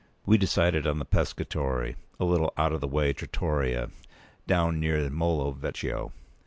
We decided on the "Pescatore," a little out of the way trattoria, down near the Molo Vecchio.